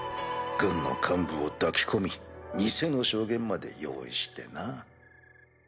軍の幹部を抱き込み偽の証言まで用意してな。